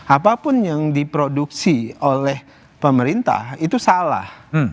apapun yang diproduksi oleh pemerintah itu salah